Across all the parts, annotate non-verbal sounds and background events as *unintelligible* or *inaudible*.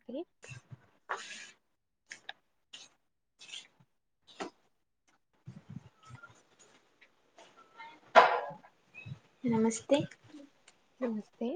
*unintelligible* *inaudible* ನಮಸ್ತೆ. ನಮಸ್ತೆ.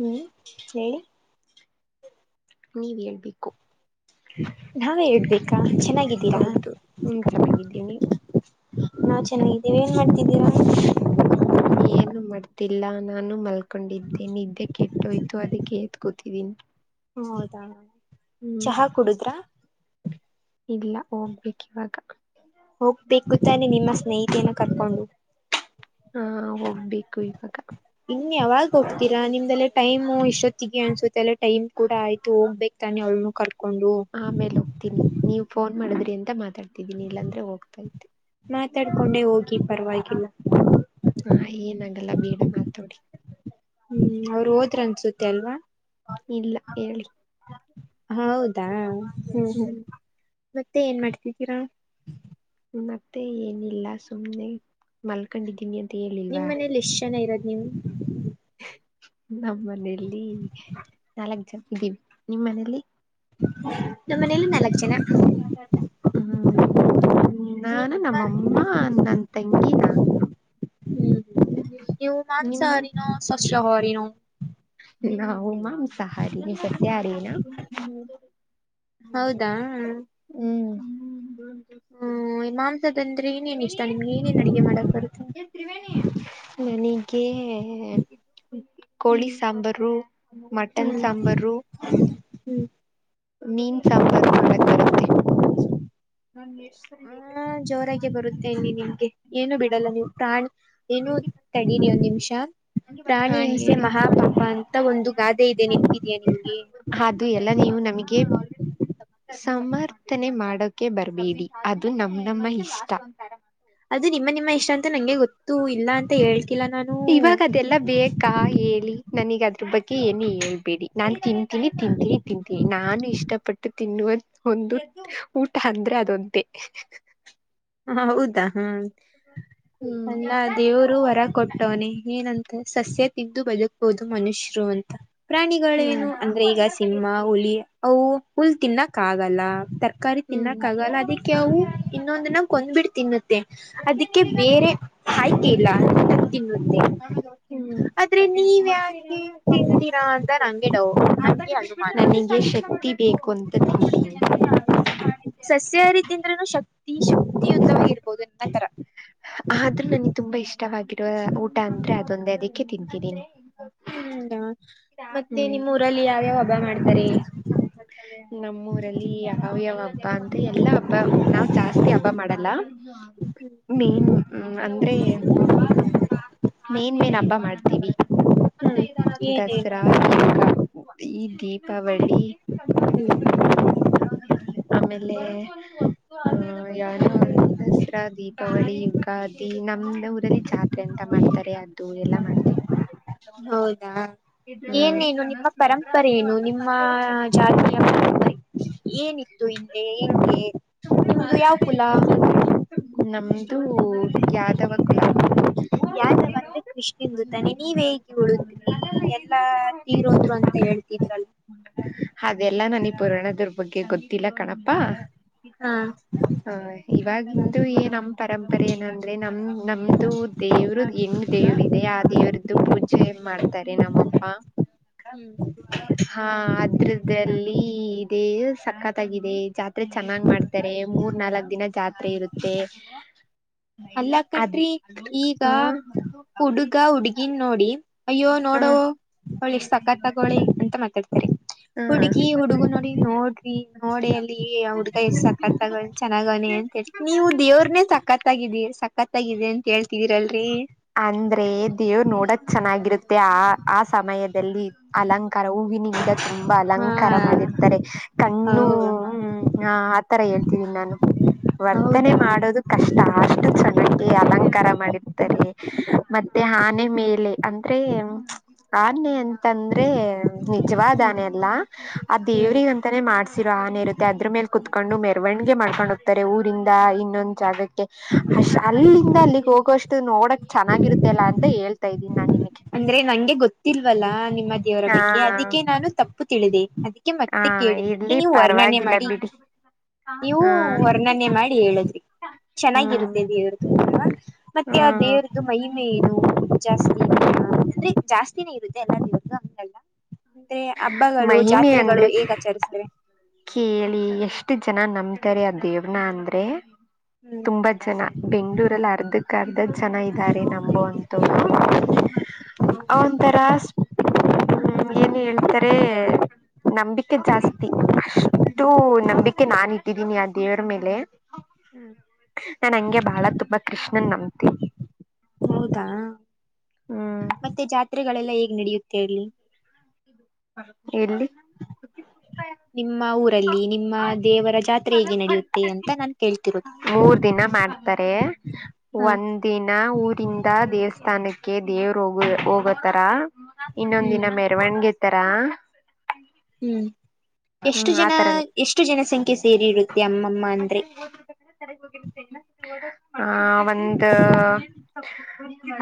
ಹ್ಮ್ ಹೇಳಿ. ನೀವ್ ಹೇಳ್ಬೇಕು. ನಾವೇ ಹೇಳ್ಬೇಕ್. ಹೌದು ಹ್ಮ ಚೆನ್ನಾಗಿದ್ದೀನಿ ನೀವು. ನಾವ್ ಚೆನ್ನಾಗಿದ್ದೇವಿ ಏನ್ ಮಾಡ್ತಿದಿರ. ಏನು ಮಾಡ್ತಿಲ್ಲ ನಾನು ಮಲ್ಕೊಂಡಿದ್ದೆ ನಿದ್ದೆ ಕೆಟ್ಟೋಯ್ತು ಅದಕ್ಕೆ ಎತ್ ಕೂತಿದೀನಿ. ಹ್ಮ ಹೌದಣ್ಣ ಹ್ಮ್ ಚಹಾ ಕುಡುದ್ರಾ ಇಲ್ಲ ಹೋಗ್ಬೇಕ ಇವಾಗ ಹೋಗ್ಬೇಕುಂತಾನೆ ನಿಮ್ಮ ಸ್ನೇಹಿತನ ಕರ್ಕೊಂಡು ಹಾ ಹೋಗ್ಬೇಕು ಇವಾಗ ಇನ್ ಯಾವಾಗ ಹೋಗ್ತೀಾ ನಿಮ್ದೆಲ್ಲ ಟೈಮ್ು ಇಷ್ಟೊತ್ತಿಗೆ ಅನ್ಸುತ್ತೆ ಅಲ್ಲ ಟೈಮ್ ಕೂಡ ಆಯ್ತು ಹೋಗ್ಬೇಕು ಅು ಆಮೇಲೆ ಹೋಗ್ತೀನಿ ನೀವು ಫೋನ್ ಮಾಡಿದ್ರಿ ಅಂತ ಮಾತಾಡ್ತಿದ್ದೀಿನಿ ಇಲ್ಲಾಂದ್ರೆ ಹೋಗ್ತಾ ಇತಿ ಮಾತಾಡ್ಕೊಂಡೆ ಹೋಗಿ ಪರವಾಗಿಲ್ಲ ಹಾ ಏನಾಗಲ್ಲ ಬೇಡ ಮಾತೋಡಿ ಹ್ಮ್ ಅವ್ರ ಹೋದ್ರ ಅನ್ಸುತ್ತೆ ಅಲ್ವಾ ಇಲ್ಲ ಹೇಳಿ ಹೌದಾ ಹ್ಮ್ ಹ್ಮ್ ಮತ್ತೆ ಏನ್ ಮಾಡ್ತಿದ್ದೀರಾ ಮತ್ತೆ ಏನಿಲ್ಲ ಸುಮ್ನೆ ಮಲ್ಕೊಂಡಿದ್ದೀನಿ ಅಂತ ಹೇಳಿಲ್ವಾ ನಿಮ್ಮ್ ಮನೇಲಿ ಎಷ್ಟ್ ಜನ ಇರದ್ ನೀವು್ ನಮ್ಮ ಮನೆಯಲ್ಲಿ ನಾಲ್ಕ್ ಜನ ಇದ್ದೀವಿ ನಿಮ್ಮ್ ಮನೇಲಿ ನಮ್ಮ ಮನೇಲಿ ನಾಲ್ಕು ಜನ ಹ್ಮ್ ಹ್ಮ ನಾನು ನಿಮ್ಮ ನಮ್ಮಅಮ್ಮ ನನ್ ತಂಗಿನ ಹ್ಮ್ ನೀವು ನಿಮ್ಮ ಮಾಂಸಾಹಾರನೋ ಸಸ್ಯಹಾರನೋ ನ ಹ ಮಾಂ ಸಹಾರಿಿನ ಸಸ್ಯ ರೇನ ಹೌದಾ ಹ್ಮ್ ಹ್ಮ ಮಾಂಸದ ಅಂದ್ರೆ ಏನೇನ್ ಇಷ್ಟ ನಿಮ್ಗೆ ಏನೇನ್ ಅಡುಗೆ ಮಾಡಕ್ ಬರುತ್ತೆ ನನಗೆ ಕೋಳಿ ಹ್ಮ್ ಸಾಂಬಾರು ಮಟನ್ ಹ್ಮ್ ಸಾಂಬಾರು ಹ್ಮ್ ಮೀನ್ ಸಾಂಬಾರು ಮಾಡಕ್ ಬರುತ್ತೆ ಹ ಜೋರಾಗ ಬರುತ್ತೆ ಇನ್ನಿ ನಿಮ್ಗೆ ಏನು ಬಿಡಲ್ಲ ನೀವು ಪ್ರಾಣಿ ಏನು ತಡೀರಿ ಒಂದ್ ನಿಮಿಷ ಹಾ ಪ್ರಾಣಿ ಹಿಂಸೆ ಹೇಳಿ ಮಹಾಪಾಪ ಅಂತ ಒಂದು ಗಾದೆ ಇದೆ ನಿಮಗಿದಯಾ ನಿಮ್ಗೆ ಹದು ಎಲ್ಲ ನೀವು ನಮಗೆ ಸಮರ್ಥನೆ ಮಾಡೋಕೆ ಬರ್ಬೇಡಿ ಅದು ನಮ ನಮ್ಮ ಇಷ್ಟ ಅದು ನಿಮ್ಮ ನಿಮ್ಮ ಇಷ್ಟ ಅಂತ ನಂಗೆ ಗೊತ್ತು ಇಲ್ಲಾ ಅಂತ ಹೇಳ್ತಿಲ್ಲ ನಾನು ಇವಾಗ ಅದೆಲ್ಲ ಬೇಕಾ ಹೇಳಿ ನನೀಗ ಅದ್ರ ಬಗ್ಗೆ ಏನು ಹೇಳ್ಬೇಡಿ ನಾನ್ ತಿ ಿ ತಿಂತೀನಿ ತಿಂತೀಿ ನಾನು ಇಷ್ಟಪಟ್ಟ ತಿನ್ನುವ ಒಂದು ಊಟ ಅಂದ್ರೆ ಅದೊಂತೆೇ ಹೌದಾ ಹ್ಮ ಹ್ಮ್ ಅಲ್ಲ ದೇವರು ಹೊರ ಕೊಟ್ಟ ಟೋನಿ ಏನಂತ ಸಸ್ಯ ತಿದ್ದು ಬಜ ಹೌದು ಮನುಷ್ಯರು ಅಂತ ಹ್ಮ್ ಪ್ರಾಣಿಗಳೇನು ಅಂದ್ರೆ ಈಗ ಸಿಂಹ ಹುಲಿ ಅವು ಪುಲ್ ತಿನ್ನಕ್ ಆಗಲ್ಲ ತರಕಾರಿ ಹ್ಮ್ ತಿನ್ನಕ್ ಆಗಲ್ಲ ಅದಕ್ಕೆ ಅವು ಇನ್ನೊಂದಿನ ಬಬಿಡ್ ತಿನ್ನುತ್ತೆ ಅದಕ್ಕೆ ಬೇರೆ ಆಯ್ಕೆ ಇಲ್ಲ ತಿನ್ನುತ್ತೆ ಆದ್ರೆ ನೀವ ಯಾಕೆ ತಿಂತೀರಾ ಅಂತ ನಂಗೆ ನಡ ನಂಗೆ ಅ ನನಗೆ ಶಕ್ತಿ ಬೇಕು ಅಂತ ತಿಂತೀನಿ ಸ್ಯಹರಿ ತೀಂದ್ರ ನ ಶಕ್ತಿ ಶ ಆದ್ರೂ ನನಗೆ ತುಂಬಾ ಇಷ್ಟವಾಗಿದೆ ಊಟ ಅಂದ್ರೆ ಅದೊಂದೇ ಅದಕ್ಕೆ ತಿ ಹ್ಮಾ ಮತ್ತೆ ನಿಮ್ಮೂಊರಲ್ಲಿ ಯಾವ್ಯಾವ ಹಬ್ಬ ಮಾಡ್ತಾರೆ ನಮ್ಮೂರಲ್ಲಿ ಯಾವ ಯಾವ ಹಬ್ಬ ಅಂತ ಎಲ್ಲಾ ಹಬ್ಬ ನಾವ್ ಜಾಸ್ತಿ ಹಬ್ಬ ಹಬ್ಬ ಮಾಡಲ್ಲ ಹ ಹಾ ಮೇನ್ ಅಂದ್ರೆ ಮೇನ್ ಮೇನ್ ಹಬ್ಬ ಮಾಡ್ತೀವಿ ಹ್ಮ್ ಏನೇನು ದಸರಾ ಯುಗ ಈ ದೀಪ್ ದೀಪಾವಳಿ ಆಮೇಲೆ ಹ್ಮ ಯಾವನೋ ದಸರಾ, ದೀಪಾವಳಿ, ಯುಗಾದಿ ನಮ್ದ ಊರಲ್ಲಿ ಜಾತ್ ಎಂತ ಮಾಡ್ತಾರೆ, ಅದು ಎಲ್ಲ ಮಾಡ್ತೀವಿ. ಹೌದಾ, ಏನೇನು ನಿಮ್ಮ ಪರಂಪರ ಏನು ನಿಮ್ಮ ಜಾತಿಯ ಪರಂಪರೆ, ಏನಿತ್ತು ಹಿಂದೆ ಎ ನಿಂದು ಯಾವ ಕುಲ ನಮ್ದು ಯಾದವ ಕುಲ, *inaudible* ಇಷ್ಟಂದು ತಾನೆ ನೀವ ಹೇಗೆ ಉಳತ್ ಎಲ್ಲಾ ತೀರೋದ್ರು ಅಂತ ಹೇಳ್ತಿದ್ರಲ್, ಅದೆಲ್ಲ ನನ್ಗೆ ಈ ಪುರಾಣದೌರ್ ಬಗ್ಗೆ ಗೊತ್ತಿಲ್ಲ ಕಣಪಾ, ಹಾ ಹ ಇವವಾಗಿಂದು ಏ ನಮ್ ಪರಂಪರೆ ಏನಂದ್ರೆ ನಮ ನಮ್ದು, ದೇವರು ಹೆಣ್ಣು ದೇವ್ರು ಇದೇ. ಆ ದೇವ್ರದ್ದು ಪೂಜೆ ಮಾಡ ರೆ ನಮ್ಮ ಅಪ್ಪ. ಹಾ ಅದ್ರದಲ್ಲಿ ಇದೆ ಸಕ್ಕತ್ತಾಗಿದೆ. ಜಾತ್ರೆ ಚೆನ್ನಾಗ್ ಮಾಡ್ತಾರೆ, ಮೂರ್ ನಾಲ್ಕ್ ದಿನ ಜಾತ್ರೆ ಇರುತ್ತೆ, ಅಲ್ಲ ಅದ್ ಕಣ್ರಿ ಹಾ, ಇನ್ ನೋಡಿ ಅಯ್ಯೋ ಹಾ ನೋಡೋ ಅವಳ ಎಷ್ಟು ಸಕತ್ ಆಗೋವಳೇ ಅಂತ ಮಾತಾಡ್ತ ಹಾ ಹುಡ್ಗಿ ಹುಡ್ಗು ನೋಡಿ ನೋಡ್ರಿ ನೋಡಿ ಅಲ್ಲಿ ಹುಡ್ಗ ಎಸ್ ಸಕ್ತಗ್ ಚೆನ್ನಾಗವನೆ ಅಂತ ನೀವು ದೇವ್ರನೆೇ ಸಕ್ಕತ್ತಾಗಿದಿ ಸಕ್ಕತ್ತಾಗಿದೆ ಅಂತ ಹೇಳ್ತಿದೀರಲ್ರಿ, ಅಂದ್ರೆ ದೇವ್ ನೋಡಕ್ ಚೆನ್ನಾಗಿರುತ್ತೆ. ಆ ಆ ಸಮಯದಲ್ಲಿ ಅಲಂಕಾರ ಹೂವಿನ, ಯಯಿಂದ ತುಂಬಾ ಹಾ ಅಲಂಕಾರ ಮಾಡಿರ್ತಾರೆ. ಹೌ ಕಣ್ಣು ಹ್ಮ ಹ ಆತರ ಹೇಳ್ತಿದೀನಿ ನಾನು. ವರ್ತನೆ ಹೌದಾ ಮಾಡೋದು, ಕಷ್ಟ ಅಷ್ಟು ಚೆನ್ನಾಗಿ ಅಲಂಕಾರ ಮಾಡಿರ್ತಾರೆ. ಮತ್ತೆ ಆನೆ ಮೇಲೆ ಅಂದ್ರೆ, ಆನೆೇ ಅಂತಂದ್ರೆ ಹ್ಮ್ ನಿಜವಾದಾನೆ ಅಲ್ಲ. ಆ ಹ್ಮ್ ದೇವ್ರಿಗೆ ಅಂತಾನೇ ಮಾಡ್ಸಿರೋ ಆನೆ ಇರುತ್ತೆ ಅದ್ರ ಮೇಲೆ ಕುತ್ಕೊಂಡು ಮೆರವಣಿಗೆ ಮಾಡ್ಕೊಂಡಹೊಗ, ತಾರೆ ಊರಿಂದ ಇನ್ನೊಂದು ಜಾಗಕ್ಕೆ ಅಶ್ ಅಲ್ಲಿಂದ ಅಲ್ಲಿಗೆ ಹೋಗುವಷ್ಟು ನೋಡಕ್ಕೆ, ಚೆನ್ನಾಗಿರುತ್ತೆಲ್ಲ ಅ ಹೇಳ್ತಾ ಇದೀನಿ ನಾನ್ ನಿಮಗೆ. ಅಂದ್ರೆ ನಂಗೆ ಗೊತ್ತಿಲ್ವಲ್ಲಾ ನಿಮ್ಮ ದೇವರ ಹಾ ಬಗ್ಗೆ ಅದಕ್ಕೆ ನಾನು ತಪ್ಪು ತಿಳಿದೆ. ಅದ ಅಕ್ಕೆ ಹಾ ಮತ್ತೆ ಕೇಳಿದ್ದಿಕ್ಕೆ ಇರ್ಲಿ ನೀವು ವರ್ಣನೆ ಪರವಾಗಿಲ್ಲ ಮಾಡಿ, ಬಿಡಿ ನೀವು ಹಾ ವರ್ಣನೆ ಮಾಡಿ ಹೇಳದ್ರಿ ಹ್ಮ್ ಚೆನ್ನಾಗಿರುತ್ತೆ. ದೇವ್ರದ್, ಮತ್ತೆ ಆ ಹ್ಮ್ ದೇವ್ರದ್ದು ಮಹಿಮೆ ಏನು ಜಾಸ್ತಿ, ಅಂದ್ರೆ ಜಾಸ್ತಿನೇ ಇರುತ್ತೆ. ಎಲ್ಲ *unintelligible* ಅಂದ್ರೆ ಹಬ್ಬಗಳು, ಮಹಿಮೆ ಜಾತ್ರೆಗಳು, ಅಂದ್ರೆ ಹೇಗ್ ಆಚರಸ್ತಾರೆ. ಕೇಳಿ ಎಷ್ಟು ಜನ ನಂಬತಾರೆ ಆ ದೇವ್ನ ಅಂದ್ರೆ, ಹ್ಮ್ ತುಂಬಾ ಜನ ಬೆಂಗ್ಗಳೂರಲ್ಲಿ ಅರ್ಧಕ್ ಅರ್ಧ ಜನ ಇದ್ದಾರೆ ನಂಬೊ ಅಂತವರು, ಅವಂತರ ಹ್ಮ ಏನ್ ಹೇಳ್ತಾರೆ, ನಂಬಿಕೆ ಜಾಸ್ತಿ. ಟೂ ನಂಬಿಕೆ ನಾನ್ ಇಟ್ಟಿದ್ದೀನಿ ಆ ದೇವರ ಮೇಲೆ. ಹ್ಮ್ ನಾನ್ ಹಂಗೆ ಬಾಳ ತುಂಬಾ ಕೃಷ್ಣನ್ ನಂಬ್ತೀನಿ. ಹೌದಾ ಹ್ಮ್ ಮತ್ತೆ ಜಾತ್ರೆಗಳೆಲ್ಲ ಹೇಗ್ ನಡೆಯುತ್ತೆ ಅಲ್ಲಿ. ಎಲ್ಲಿ, ನಿಮ್ಮ ಊರಲ್ಲಿ ನಿಮ್ಮ ದೇವರ ಜಾತ್ರೆ ಹೇಗೆ ನಡೆಯುತ್ತೆ ಅಂತ ನಾನ್ ಕೇಳ್ತಿರೋದು. ಮೂರ್ ದಿನ ಮಾಡ್ತಾರೆ. ಹ ಒಂದ, ದಿನ ಊರಿಂದ ದೇವಸ್ಥಾನಕ್ಕೆ ದೇವರು ಹೋಗ ಹೋಗೋತರ, ಇನ್ನೊಂದಿನ ಹ್ಮ್ ಮೆರವಣಿಗೆ ತರಾ, ಹ್ಮ್ ಎಷ್ಟು ಹ್ಮ್ ಜನ ಆತರ ಎಲ್ಲ ಎಷ್ಟು ಜನಸಂಖ್ಯೆ ಸೇರಿರುತ್ತೆ ಅಮ್ಮಮ್ಮ ಅಂದ್ರೆ. ಆ ಒಂದ್,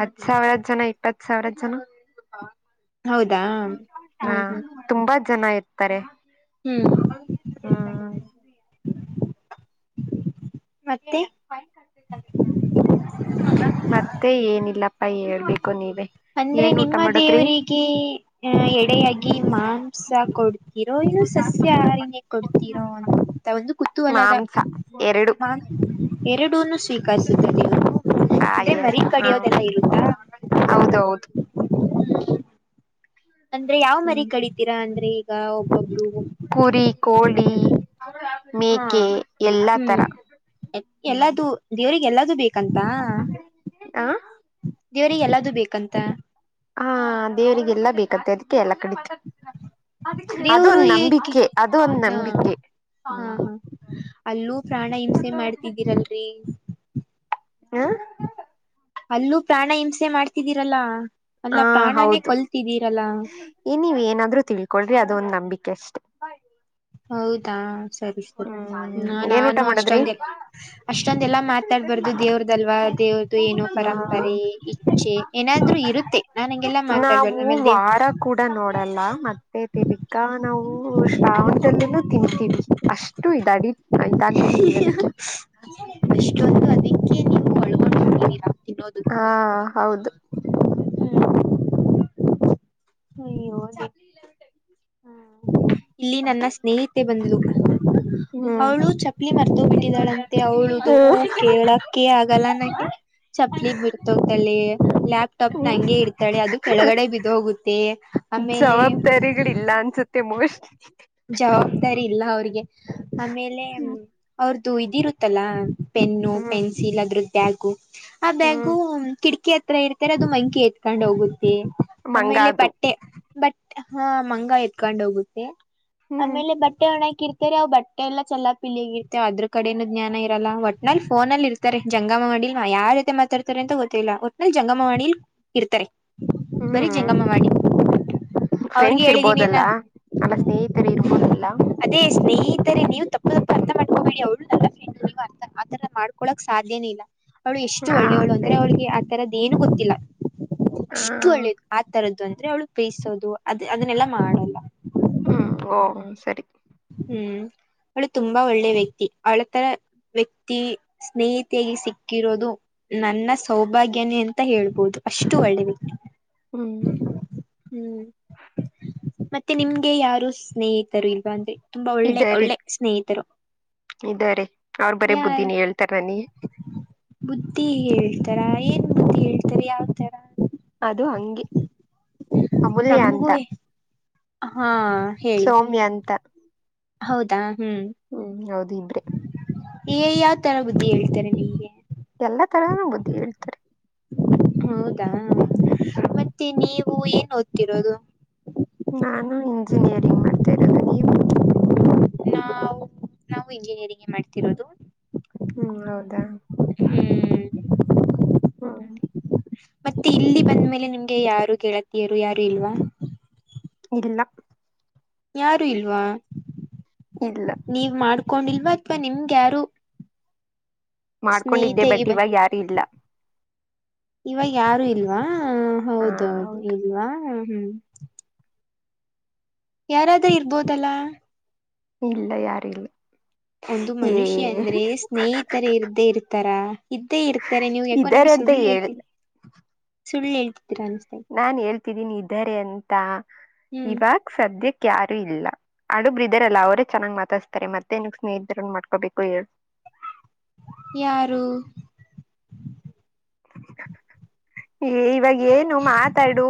ಹತ್ ಸಾವ್ರ ಜನ, ಇಪ್ಪತ್ ಸಾವ್ರ ಜನ, ಹೌದಾ ಹ್ಮ್, ಹಾ ಹ್ಮ್ ತುಂಬಾ ಜನ ಇರ್ತಾರೆ ಹ್ಮ್ ಹಾ ಮತ್ತೆ *unintelligible* ಮತ್ತೆ ಏನಿಲ್ಲ *unintelligible* ಯ ಹೇಳ್ಬೇಕು ನೀವ ಏನ್ ಊಟ ಮಾಡದ್ರಿ *unintelligible* ಕ ಎಡೆಯಾಗಿ ಮಾಂಸ ಕೊಡ್ *unintelligible* ಇರೋ ಇನು ಸಸ್ಯ ಆರಿನ ಕೊಡ್ತೀರೋ ಅ ಒಂದು ಕುತೂಹಲದ ಮಾಂಸ ಎರಡು ಮಾಂಸ ಎರಡೂನು ಸ್ವೀಕಿಸುತ್ತದೆ ಅ ಮರಿ ಕಡಿಯೋದೆಲ್ಲ ಇರುತ್ತಾ ಹೌದೌದು *inaudible* *unintelligible* ಅಂದ್ರೆ ಯಾವ್ ಹ್ಮ್ ಮರಿ ಕಡಿತೀರಾ ಅಂದ್ರೆ ಈಗ ಒಬ್ಬೊಬ್ರು ಕುರಿ ಕೋಳಿ ಹಾ ಮೇಕೆ ಎಲ್ಲಾ ತರ ಹ್ಮ ದೇವ್ರಿಗ್ ಎಲ್ಲದು ಬೇಕಂತ ಆ ದೇವ್ರಿಗ್ ಎಲ್ಲದು ಬೇಕಂತಾ ಹಾ ದೇವ್ರರಿಗೆಲ್ಲಾ ಬೇಕತ್ತೆ ಅದ್ಕೆ ಎಲ್ಲ ಕಡಿತ್ *unintelligible* *inaudible* *unintelligible* ದೇವ್ರು ಅದೊಂದ್ ಏಕೆ ನಂಬಿಕೆ ಅದುಒಂದ್ ಹಾ ನಂಬಿಕೆ ಹಾ ಹಾ ಅಲ್ಲೂ ಪ್ರಾಣ ಹಿಂಸೆ ಮಾಡ್ತಿದ್ದೀರಲ್ರಿ ಹ್ಮಾ ಅಲ್ಲೂ ಪ್ರಾಣ ಹಿಂಸೆ ಮಾಡ್ತಿದೀರಲಾ ಹ ಹೌದು ಈ ನೀವ್ ಏನಾದ್ರರು ತಿಳ್ಕೊಳ್ರಿ ಅದೊಂದ್ ನಂಬಿಕೆ ಅಷ್ಟೇ ಹೌದಾ ಸರಿ ಸರಿ ಹ್ಮ್ ಏನ್ ಊಟ ನಾನು ಮಾಡದ್ರಿ ಅಷ್ಟೊಂದೆಲ್ ಅಷ್ಟೊಂದೆಲಾ ಮಾತಾಡ್ಬಾರ್ದು ದೇವ್ರದಲ್ವಾ ದೇವ್ರ್ *unintelligible* ಏನೋ ಪರಂಪರೆ ಇಚ್ಛೆ ಏನಾದ್ರು ಇರುತ್ತೆ ನಾನಂಗೆಲ್ಲ ನಾವು ಮಾತಾಡ್ಬಾರ್ದ ಆಮೇಲ್ ದೇ *unintelligible* ವಾರ ಕೂಡ ನೋಡಲ್ಲ ಮತ್ತೆ ತಿರ್ಗಾ ನಾವು ಶ್ರಾವಣದಲ್ಲಿನೂ ತಿಂತೀವಿ ಅಷ್ಟು ಇದ ಅಡಿಕ್ಟ್ ಇದಾಗ್ಬಿಟ್ಟಿದ್ದೀವಿ ಅದಕ್ಕೆ ಅಷ್ಟೊಂದು ಅದಕ್ಕೆ ನೀವು ಒಳಗೊಂಡ್ ಹಾ ಹೌದು ಹ್ಮ *inaudible* ಹ್ಮ ಹ್ಮ *inaudible* ಇಲ್ಲಿ ನನ್ನ ಸ್ನೇಹಿತೆ ಬಂದ್ಲು ಹ್ಮ್ ಅವಳು ಚಪ್ಲಿ ಮರತೊಗ್ಬಿಟ್ಟಿದ್ದಳಂತೆ ಅವಳುದು ಕೇಳಕ್ಕೆ ಆಗಲ್ಲ ನಂಗೆ ಚಪ್ಲಿ ಬಿಡ್ತೋಗತಾಳೆ ಲ್ಯಾಪ್ಟಾಪ್ನ ಹ್ಮ ಹಂಗೆ ಇಡ್ತಾಳೆ ಅದು ಕೆಳಗಡೆ ಬಿದ್ ಹೋಗುತ್ತೆ ಆಮೇಲೆ ಇಲ್ಲ ಅನ್ಸುತ್ತೆ ಮೋಸ್ಟ್ಲಿ ಜವಾಬ್ದಾರಿ ಇಲ್ಲ ಅವ್ರಿಗೆ ಆಮೇಲೆ ಅವರ್ದು ಇದಿರುತ್ತಲ್ಲ ಪೆನ್ನು ಹ್ಮ್ ಪೆನ್ಸಿಲ್ ಅದ್ರದ್ ಬ್ಯಾಗು ಆ ಹ್ಮ್ ಬ್ಯಾಗು ಕಿಟ್ಕ್ ಕಿಟಕಿ ಹತ್ರ ಇರ್ತಾರೆ ಅದು ಮಂಕಿ ಎತ್ಕೊಂಡ್ ಹೋಗುತ್ತೆ ಮಂಗ ಆಮೇಲೆ ಅದು ಬಟ್ಟೆ ಬಟ್ ಹಾ ಮಂಗ ಎತ್ಕೊಂಡ್ ಹೋಗುತ್ತೆ ಹ್ಮ್ ಆಮೇಲೆ ಬಟ್ಟೆ ಒಣೆಯೋಕ್ ಇಡ್ತ್ *unintelligible* *unintelligible* ರ್ತರ ಬಟ್ಟೆ ಎಲ್ಲ ಚಲಾಪಿಲ್ಲಿಗಿರುತ್ತೆ ಅದ್ರ್ ಕಡೆನು ಜ್ಞಾನ ಇರಲ್ಲ ಒಟ್ನಲ್ ಫೋನಲ್ಲಿ ಇರ್ತ *unintelligible* ರ್ತಾರೆ ಜಂಗಮವಾಣಿ ಯಾರ ಜೊತೆ ಮಾತಾಡ್ತಾರೆ ಅಂತ ಗೊತ್ತಿಲ ಒಟ್ನಲ್ಲಿ ಜಂಗಮವಾಣಿಲ್ ಇರ್ತಾರೆ ಬರೀ ಜಂಗಮವಾಣಿ ಅವ್ರಿಗ್ ಹೇಳಿದೀನಿ ನಮ್ *unintelligible* ನನ್ ಸ್ನೇಹಿತರ್ ಇರ್ಬೋದಲಾ ಅದೇ ಸ್ನೇಹಿತರೆ ನೀವು ತಪ್ ತಪ್ ಅರ್ಥ ಮಾಡ್ ಹಬೇಡಿ ಅವಳು ನೀ *unintelligible* ಅ ಆತರ ಮಾಡ್ಕೊಳಕ್ ಸಾಧ್ಯನೇ ಇಲ್ಲ ಅವಳು ಎಷ್ಟು ಹಾ ಒಳ್ಳೆವಳ್ ಅಂದ್ರೆ ಸರಿ ಅವಳಿಗೆ ಆ ತರದ್ ಏನು ಗೊತ್ತಿಲ್ಲ ಹ ಅಷ್ಟು ಒಳ್ಳೇದ್ ಆ ತರದ್ದು ಅಂದ್ರೆ ಅವಳು ಬೇಯಿಸೋದು ಅದ್ ಅದನ್ನೆಲ್ಲ ಮಾಡಲ್ಲ ಹ್ಮ್ ಓ್ಮ ಸರಿ ಹ್ಮ್ ಅವಳು ತುಂಬಾ ಒಳ್ಳೆ ವ್ಯಕ್ತಿ ಅವಳ್ ತರ ವ್ಯಕ್ತಿ ಸ್ನೇಹಿತಿಯಾಗಿ ಸಿಕ್ಕಿರೋದು ನನ್ನ ಸೌಭಾಗ್ಯನೇ ಅಂತ ಹೇಳ್ಬೋದು ಅಷ್ಟು ಒಳ್ಳೆ ವ್ಯಕ್ತಿ ಹ್ಮ್ ಹ್ಮ್ ಮತ್ತೆ ನಿಮ್ಗೇ ಯಾರು ಸ್ನೇಹಿತರ್ ಇಲ್ವಾ ಅಂದ್ರೆ ತುಂಬಾ ಒಳ್ಳೆ ಇದಾರೆ ಒಳ್ಳೆ ಸ್ನೇಹಿತರು ಇದಾರೆ ಅವ್ರ್ ಬರೆ ಯಾರ ಬುದ್ದಿನೆ ಹೇಳ್ತಾರ್ ನನಿಗೆ ಬುದ್ಧಿ ಹೇಳ್ತಾರ ಏನ್ ಬುದ್ಧಿ ಹೇಳ್ತಾರೆ ಯಾವ್ತರ ಅದು ಹಂಗೆ ಅಮೂಲ್ಯ ಅಂತ ಹಾಂ ಸೌಮ್ಯ ಅಂತ ಹೌದಾ ಹ್ಮ್ ಹ್ಮ್ ಹೌದು ಇಬ್ರಿ ಏ ಯಾವ್ ತರ ಬುದ್ಧಿ ಹೇಳ್ತಾರೆ ನಿಮ್ಗೆ ಎಲ್ಲಾ ತರ ಬುದ್ದಿ ಹೇಳ್ತಾರೆ ಹೌದಾ ಹ್ಮ್ ಮತ್ತೆ ನೀವು ಏನ್ ಓದ್ತಿರೋದು ನಾನು ಇಂಜಿನಿಯರಿಂಗ್ ಮಾಡ್ತಾ ಇರೋದು ನೀವು ನಾ್ ನಾವು ಇಂಜಿನಿಯರಿಂಗ್ ಮಾಡ್ತಿರೋದು ಹ್ಮ್ ಹೌದಾ ಹ್ಮ್ ಹ್ಮ ಮತ್ತೆ ಇಲ್ಲಿ ಬಂದ್ಮೇಲೆ ನಿಮ್ಗೆ ಯಾರು ಕೇಳತಿಯರು ಯಾರು ಇಲ್ವಾ ಇಲ್ಲ ಯಾರು ಇಲ್ವಾ ಇಲ್ಲ ನೀವ್ ಮಾಡ್ಕೊಂಡಿಲ್ವಾ ಅಥವಾ ನಿಮ್ಗ್ ಯಾರು ಮಾಡ್ಕೊಂಡಿದ್ದೆ ಸ್ನೇಹಿತೆಗೆ ಬಟ್ ಬ ಇವಾಗ ಯಾರು ಇಲ್ಲ ಇವಾಗ್ ಯಾರು ಇಲ್ವಾ ಹಾ ಹೌದೌದು ಹೌದು ಇಲ್ವಾ ಹ್ಮ್ ಯಾರಾದ್ರೂ ಇರ್ಬೋದಲ್ಲಾ ಇಲ್ಲ ಯಾರು ಇಲ್ಲ ಒಂದು ಮನುಷ್ಯ ಏ ಅಂದ್ರೆ ಸ್ನೇಹಿತರ ಇರ್್ದೇ ಇರ್ತಾರ ಇದ್ದೇ ಇರ್ತ ಾರೆ ನೀವು ಯಾಕೋ ಇದ್ದಾರೆ ನಂಗೆ ಅಂತ ಸುಳ್ಳು ಹೇಳ್ ಹೇಳ್ತ ಸುಳ್ಳು ಹೇಳ್ತಿದ್ದೀರಾ ಇದೆ. ನಾನ್ ಹೇಳ್ತಿದ್ದೀನಿ ಇದಾರೆ ಅಂತ ಹ್ಮ್ ಇವಾಗ ಸದ್ಯಕ್ಕೆ ಯಾರು ಇಲ್ಲ ಹಡುಗ್ರ ಇದಾರಲ್ಲ ಅವರೇ ಚನ್ನಾಗ್ ಮಾತಾಸ್ತಾರೆ ಮತ್ತೆೇನ್ಗ್ ಸ್ನೇಹಿತರ ಮಾಡ್ಕೋಬೇಕು ಹೇಳ ಯಾರು ಇವಾಗ ಏನು ಮಾತಾಡು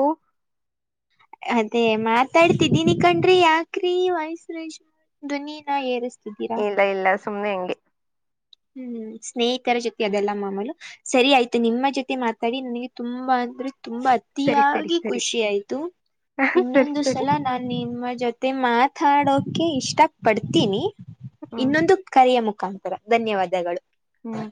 ಅದೇ ಮಾತಾಡ್ತಿದೀನಿ ಕಂಡ್ರಿ ಯಾಕ್ರಿ ವಯಸ್ರೇಶ್ ದುನಿನ ಏರಿಸ್ತಿದ್ದೀರಾ ಇಲ್ಲ ಇಲ್ಲ ಸುಮ್ಮನೆ ಹೆಂಗೆ ಹ್ಮ್ ಸ್ನೇಹಿತರ ಜೊತೆ ಅದೆಲ್ಲ ಮಾಮೂಲು ಸರಿ ಆಯ್ತು ನಿಮ್ಮ ಜೊತೆ ಮಾತಾಡಿ ನನಗೆ ತುಂಬಾ ಅಂದ್ರೆ ತುಂಬಾ ಸರಿ ಸರಿ ಅತಿಯಾಗಿ ಸರಿ ಖುಷಿ ಆಯ್ತು ಸರಿ ಇನ್ನೊಂದು ಸರಿ ಸಲ ನಾನು ನಿಮ್ಮ ಜೊತೆ ಮಾತಾಡೋಕೆ ಇಷ್ಟ ಪಡ್ತೀನಿ ಹ್ಮ್ ಇನ್ನೊಂದು ಕರೆಯ ಮುಖಾಂತರ ಧನ್ಯವಾದಗಳು ಹ್ಮ್